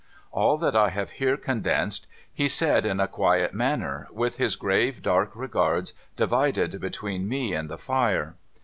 All that I have here condensed he said in a (juiet manner, with his grave, dark regards divided between me and the fire.